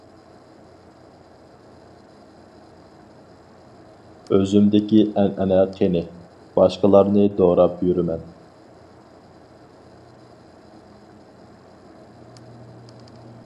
ئۆزۈمدىكى ئەنئەنە قېنى؟ باشقىلارنى دوراپ يۈرىمەن.